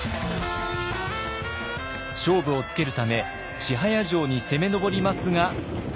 勝負をつけるため千早城に攻め上りますが。